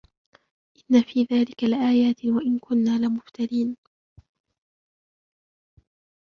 إِنَّ فِي ذَلِكَ لَآيَاتٍ وَإِنْ كُنَّا لَمُبْتَلِينَ